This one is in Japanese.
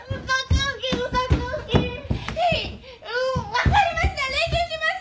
分かりました練習します！